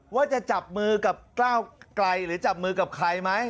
ว่าจะจับมือกับก้าวไกลหรือจับมือกับใครไหม